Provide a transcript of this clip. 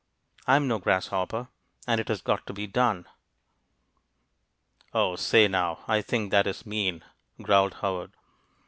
I am no grasshopper, and it has got to be done!" "O, say now! I think that is mean!" growled Howard.